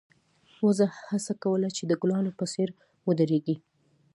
وزه هڅه کوله چې د ګلانو په څېر ودرېږي.